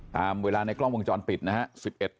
ตามเวลาในกล้องวงจรปิดนะฮะ